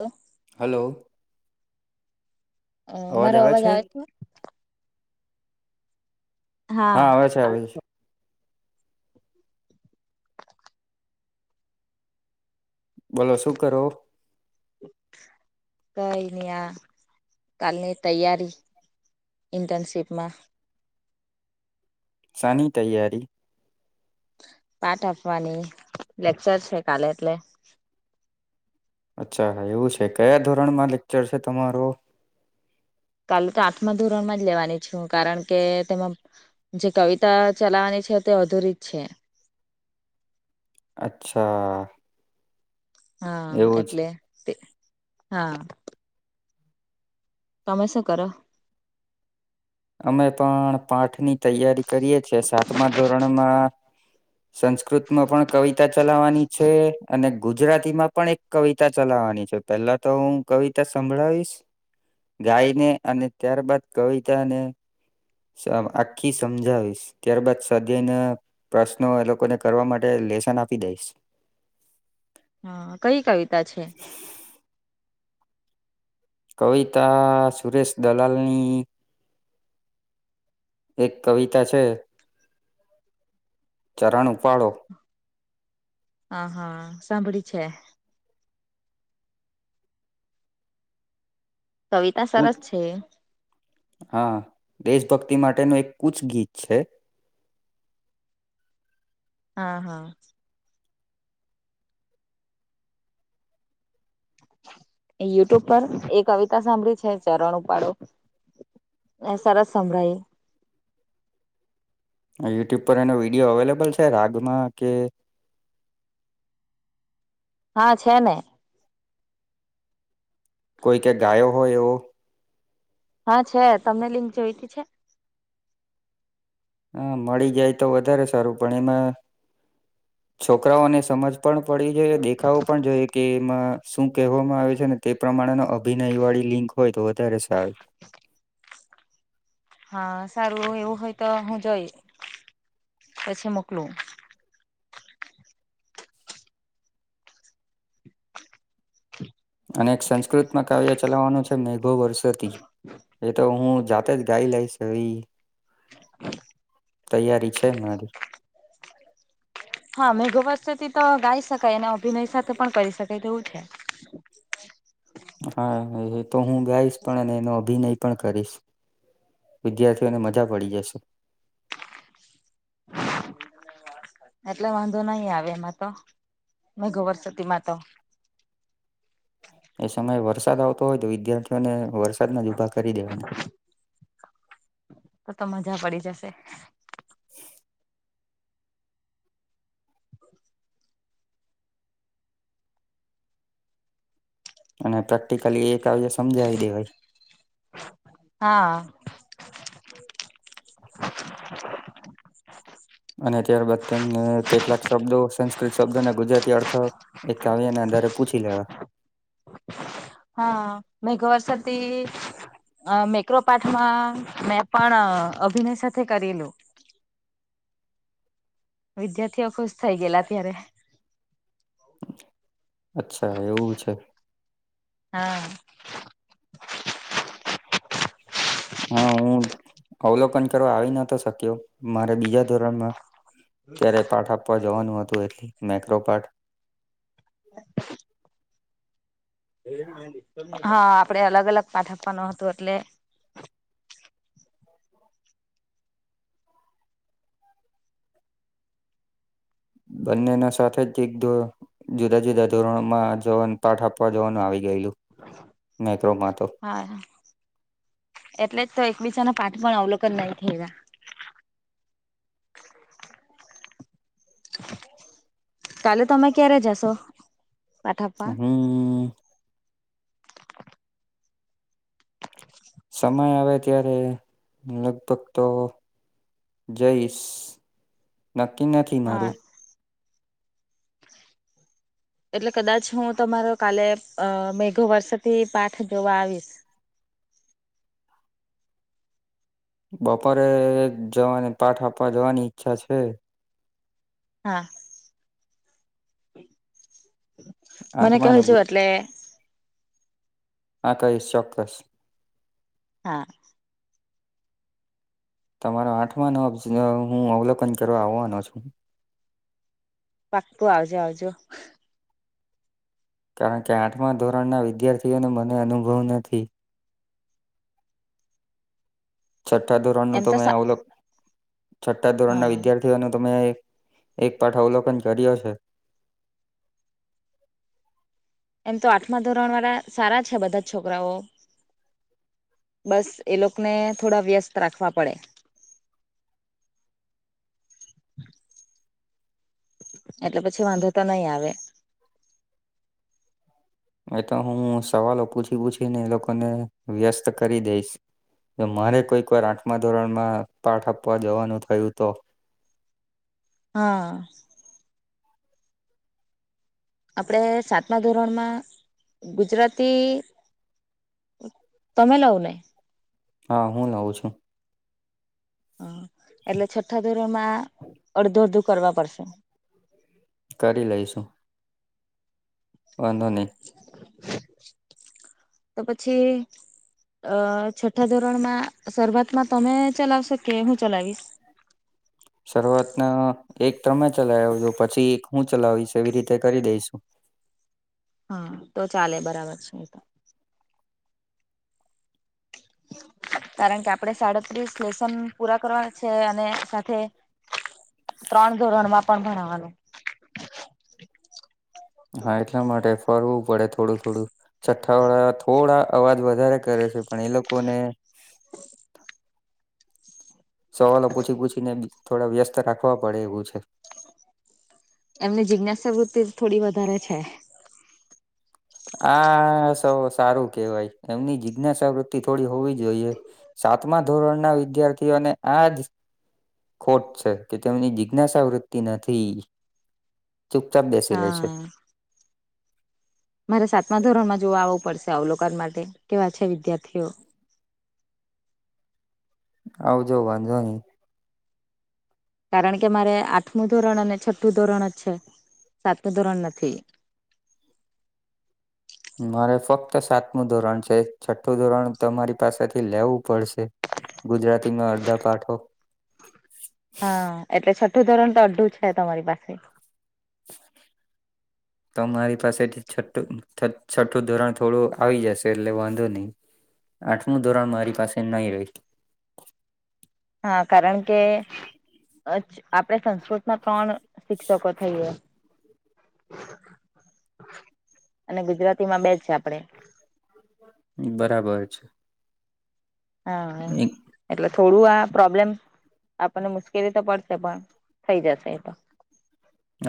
તો. હલો. અ મારો અવાજ આવે. હા આવે છે આવે છે અા. બોલો શું કરો. કઈ નહ આ કાલની તૈયારી. ઇન્ટર્નશિપમાં. સની તૈયારી. પાઠ આપવાની લેક્ચર છે કાલે એટલે. અચ્છા એવું છે કયા ધોરણમાં લેક્ચર છે તમારો. કાાલ તો આઠમા ધોરણમાં જ લેવાની છું કારણ કે તેમાં. જે કવિતા ચલાવવાની છે તે અધૂરીજ છે. અચ્છા. હા એવું છે એટલે હા. તમેસ કર. અમે પણ પાઠ ની તૈયારી કરીએ છ છેીએ સાતમા ધોરણમાં. સંસ્કૃત માં પણ કવિતા ચલાવવાની છે અને ગુજરાતીમાં પણ એક કવિતા ચલાવવાની છે. પેલા તો હું કવિતા સંભળાવીશ ગાઈને અને ત્યારબાદ કવિતા. ક્યાને. આખી સમજાવીશ ત્યારબાદ સધને. પ્રશ્નો એ લોકોને કરવા માટે લેેશન આપી દઈશ. હા કઈ કવિતા છે. કવિતા સુરેશ દલાલની. એક કવિતા છે. ચરણ ઉપપાડો. હ હા સાંભળી છે. કવિતા કુચ સરસ છે. હા દેશભક્તિ માટેનું એક કુચ ગીત છે. હા હા. યુટ્યુબ પર એ કવિતા સાંભળી છે ચરણ ઉપાડો. એ સરસ સંભળાય. યુટ્યુબ પર એનો વિડીયો અવેલેબલ છે રાગમાં કે. હા છે ને. કોઈ કે ગાયો હોય એવો. હા છે તમને લિંક જોઈતી છે. હા મળી જાય તો વધારે સારું પણ એમાં છોકરાઓને સમજ પણ પડીઈ દેખાવો પણ જોઈએ કે માં શું કહેવામાં આવે છે ને તે પ્રમાણે ન અભિનય વાળી લિંક હોય તો વધારે સારું. હા સારું એવું હોય તો હું જઈ પછી મોકલું. અને એક સંસ્કૃત માં કાવ્ય ચલાવવાનું છે. મેઘો વર્ષોથી એ તો હું જાતે જ ગાઈ લઈશવી. હ. તૈયારી છે મારી. હા મેઘ વર્ષથી તો ગાઈ શકાય અને અભિનય સાથે પણ કરી શકાય તેવું છે. હા એ તો હું ગાઈશ પણ અને એનો અભિનય પણ કરીશ. વિદ્યાર્થીઓને મજા પડી જશે. એટલે વાંધો નહી આવે એમાં તો મેગો વર સુતીમાં તો. એ સમયે વરસાદ આવતો હોય તો વિદ્યાર્થીઓને વરસાદના જ ઊભા કરી દેવાના. તો તો મજા પડી જશે. અને પ્રેક્ટિકલી એ કાવ્ય સમજાવી દેવાય. હા. અને ત્યારબાદ તેમને કેટલાક શબ્દો સંસ્કૃત શબ્દોને ગુજરાતી અર્થ એકાવ્યના આધારે પૂછી લેવા. હા મેંઘ વરસાદથી મેક્રોપાર્ટમાં મે પણ અભિનય સાથે કરેલું. વિદ્યાર્થીઓ ખુશ થઈ ગયેલા અત્યારે અચ્છા એવું છે. હા. હા હું અવલોકન કરવા આવી નતો શક્યો મારે બીજા ધોરણ માં ત્યારે પાઠ આપવા જવાનું હતું એટલે મેક્રોપાઠ [inaudible] [inaudible] હા આપડે અલગ અલગ પાઠ આપવાનો હતું એટલે બંનેના સાથેજ એક તો જુદા જુદા ધોરણોમાં જવાનું પાઠ આપવા જવાનું આવી ગયેલું માઈક્રોમાં તો. હા એટલે જ તો એકબીજાનો પાઠ પણ અવલોકન નહી થએ લા. કાલે તમે ક્યારે જશો? પાઠ આપવા હું. સમય આવે ત્યારે લગભગ તો જઈશ નક્કી નથી હા મારું. [inaudible] એટલે કદાચ હું તમારો કાલે અ મેઘ વર્ષથી પાઠ જોવા આવીશ. બપોરે જવાની પાઠ આપવા જવાની ઈચ્છા છે. હા [inaudible] મને આઠમાનો કહજો એટલે હા કહીશ ચોક્કસ. હા તમારો આઠમા નો હું અવલોકન કરવા આવવાનો છું પાકું આવજો આવજો. કારણ કે આઠમા ધોરણના વિદ્યાર્થીઓનો મને અનુભવ નથી. છઠ્ઠા ધોરણ નું એમ તો મેં સા ઓલું [inaudible] છઠા ધોરણના હા વિધાર્થી વિધાર્થીનું તો મેં એક પાઠ અવલોકન કર્યો છે. એમ તો આઠમા ધોરણ વારા સારા છે બધા છોકરાઓ. બસ એ લોકોને થોડા વ્યસ્ત રાખવા પડે એટલે પછી વાંધો તો નઈ આવે એ તો હું સવાલો પૂછી પૂછીને એ લોકોને વ્યસ્ત કરી દઈશ ને મારે કોઈક વાર આઠમા ધોરણમાં પાઠ આપવા જવાનું થયું તો હા આપણે સાતમા ધોરણમાં ગુજરાતી તમે હા હું લઉં છું હ એટલે છઠ્ઠા ધોરણ માં અડધું અડધું કરવા પડશે કરી લઈશ હું વાંધો ની તો પછી અ છઠ્ઠા ધોરણમાં શરૂઆતમાં તમે ચલાવશો કે હું ચલાવીશ શરૂઆતના એક તમે ચલાવ જો પછી એક હું ચલાવીશ એવી રીતે કરી દઈશ હું હા તો ચાલે બરાબર છે એ તો કારણ કે આપડે સાડત્રીસ લેશન પૂરા કરવાના છે અને સાથે ત્રણ ધોરણમાં પણ ભણાવાનું હા એટલા માટે ફરવું પડે થોડું થોડું છઠ્ઠાવાળા થોડા અવાજ વધારે કરે છે પણ એ લોકોને સવાલો પૂછી પૂછી ને થોડા વ્યસ્ત રાખવા પડે એવું છે એમની જિજ્ઞાસાવૃત્તિ થોડી વધારે છે આ સૌ સારું કેવાય એમની જિજ્ઞાસ વૃત્તિ થોડી હોવી જોઈએ સાતમા ધોરણના વિદ્યાર્થીઓને આ જ ખોટ છે કે તેમની જિજ્ઞાસાવૃત્તિ નથીથી ચૂપચાપ બેસી રે હા છે મારે સાતમા ધોરણમાં જોવા આવવું પડશે અવલોકન માટે કેવા છે વિદ્યાર્થીઓ આવજો વાંધો નહી કારણ કે મારે આઠમું ધોરણ અને છઠ્ઠું ધોરણ જ છે સાતમું ધોરણ નથી મારે ફક્ત સાતમું ધોરણ છે છઠ્ઠું ધોરણ તમારી પાસેથી લેવું પડશે ગુજરાતીમાં અડધા પાઠો હા એટલે છઠ્ઠું ધોરણ તો અડઢું છે તમારી પાસે તો મારી પાસેથી છઠઠું છઠ્ઠું ધોરણ થોડું આવી જશે એટલે વાંધો નહીિ આઠમું ધોરણ મારી પાસે નહી રહે હા કારણ કે આપણે સંસ્કૃતમાં પણ શિક્ષકો થઈએ અને ગુજરાતી માં બે જ છે આપડે બરાબર છે હા એમ એટલે થોડું આ પ્રોબ્લેમ આપણને મુશ્કેલી તો પડશે પણ થઈ જશે એ તો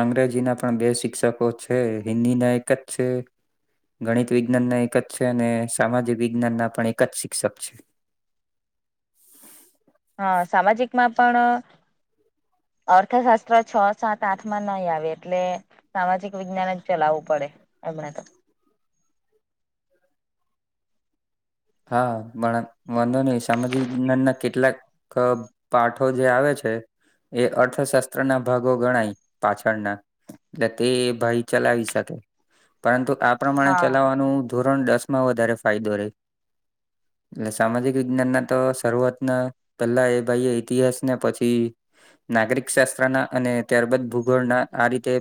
અંગ્રેજી ના પણ બે શિક્ષકો છે હિન્દી ના એક જ છે ગણિત વિજ્ઞાન ના એક જ છે અને સામાજિક વિજ્ઞાન ના પણ એક જ શિક્ષક છે હ સામાજિકમાં પણ અર્થશાસ્ત્ર છ સાત આઠ માં નહીં આવે એટલે સામાજિક વિજ્ઞાન જ ચલાવવું પડે એમને તો હા વાંધો નહીિ સામાજિક વિજ્ઞાન ના કેટલાક પાઠો જે આવે છે એ અર્થશાસ્ત્ર ના ભાગો ગણાય પાછળના એટલે તે ભાઈ ચલાવી સકે પરંતુ આ પ્રમાણે હા ચલાવવાનું ધોરણ દસ માં વધારે ફાયદો રહે એટલે સામાજિક વિજ્ઞાન ના તો શરૂઆતના પહેલા એ ભાઈ ઇતિહાસ ને પછી નાગરિક શાસ્ત્રના અને ત્યારબાદ ભૂગોળના આ રીતે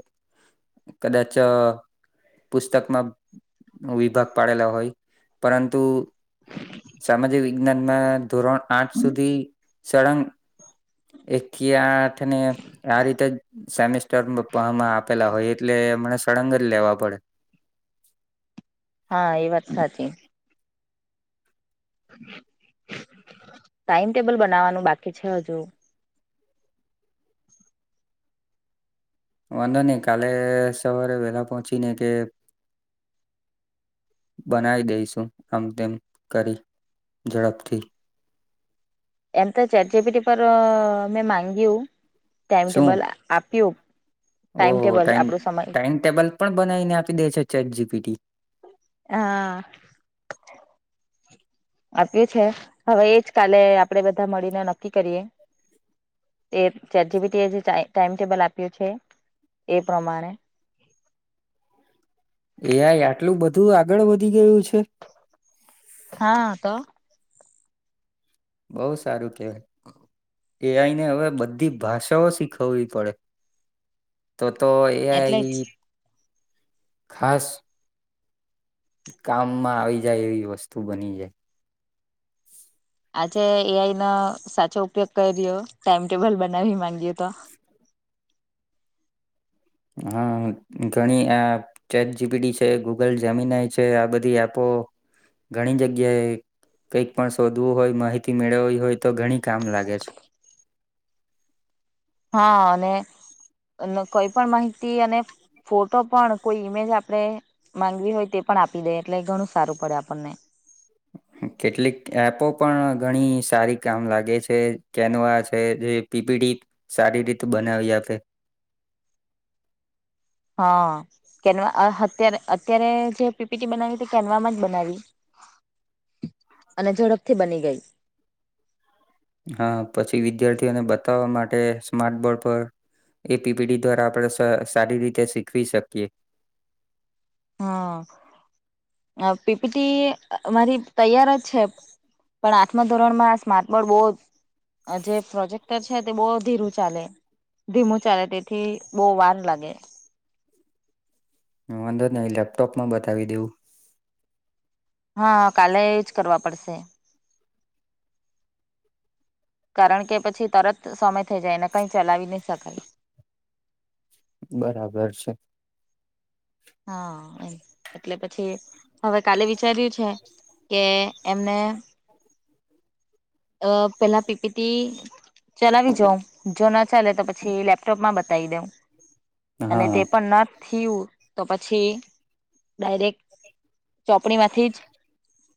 કદાચ પુસ્તકમાં વિભાગ પાડેલા હોય પરંતુ હ સામાજિક વિજ્ઞાનમાં ધોરણ આઠ સુધી સળંગ એક કે આઠ ને આ રીતે જ સેમિસ્ટરમાં આપેલા હોય એટલે મમને સળંગ જ લેવા પડે હા એ વાત સાચી ટાઈમટેબલ બનાવાનું બાકી છે હજુ વાંધો નઈિ કાલે સવારે વહેલા પહોંચી ને કે બનાવી દઈશું આમ તેમ કરી ઝડપથી એમ તો ચજપીટી પર મેં મામાંગ્યું ટાઈમટેબલ આપ્યું ઓ ટાઈમ ટેબલ ટાાઈમ આપણું સમય ટાાઈમટેબલ પણ બનાવીને આપી દે છે ચેટ જીપીટી હા આપ્યું છે હવે એજ કાલે આપડે બધા મળીને નક્કી કરીએ એ ચેાર જબીટીએ જે ટાાઈમટેબલ આપ્યું છે એ પ્રમાણે એ આટલું બધું આગળ વધી ગયું છે હા તો બહ સારું કેવાય એ આઈને હવે બધી ભાષાઓ શીખવવી પડે તો તો એ એટલે જ ખાસ કામમાં આવી જાય એવી વસ્તુ બની જાય આજે એઆઈ નો સાચો ઉપયોગ કર્યો ટાઈમટેબલ બનાવી માંગ્યોએ તો હા ઘણી એ ચેટ જીપીડી છે ગૂગલ જમીનય છે આ બધી એપો ઘણી જગ્યાએ કઈક પણ શોધવું હોય માહિતી મેળવવી હોય તો ઘણી કામ લાગે છે હા અને કોઈ પણ માહિતી અને ફોટો પણ કોઈ ઈમેજ આપણે ગવી હોય તે પણ આપી દઈએ એટલે ઘણું સારું પડે આપણને [inaudible] કેટલીક એપો પણ ઘણી સારી કામ લાગે છે કેનવા છે જે પીપીડી સારી રીતે બનાવી આપે હા કેનવા અત્યારે અત્યારે જે પીપીટી બનાવી તે કેનવામાં જ બનાવી [inaudible] અને ઝડપથી બની ગઈ હા પછી વિદ્યાર્થીઓને બતાવવા માટે સ્માર્ટ બોર્ડ પર એ પીપીડી દ્વારા આપડે સારી રીતે શીખવી શકીએ હા પીપીટી મારી તૈયાર જ છે પણ આથમા ધોરણમાં સ્માર્ટ બોર્ડ બહુ આ જે પ્રોજેક્ટર છે તે બહ ધીરું ચાલે ધીમું ચાલે તેથી બહુ વાર લાગે હ વાંધો જ નહી લેપટોપમાં બતાવી દેવું હા કાલે જ કરવા પડશે કારણ કે પછી તરત સમય થઈ જાય એને કઈ ચલાવી નહી શકાય બરાબર છે હા એમ એટલે પછી હવે કાલે વિચાર્યું છે કે એમને અ પેલા પીપીટી ચલાવી જા જો ન ચાલે તો પછી લેપટોપમાં બતાવી દઉં અને હા. તે પણ ન થયું તો પછી ડાયરેક્ટ ચોપડીમાંથી જ